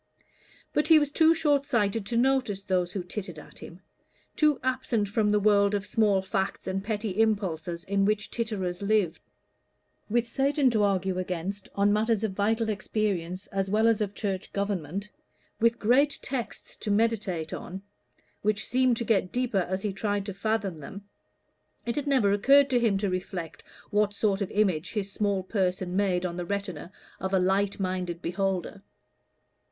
But he was too short sighted to notice those who tittered at him too absent from the world of small facts and petty impulses in which titterers live. With Satan to argue against on matters of vital experience as well as of church government, with great texts to meditate on, which seemed to get deeper as he tried to fathom them, it had never occurred to him to reflect what sort of image his small person made on the retina of a light minded beholder.